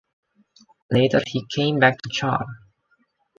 Later he came back to Char.